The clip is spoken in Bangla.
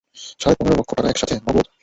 সাড়ে পনেরো লক্ষ টাকা একসাথে, নগদ?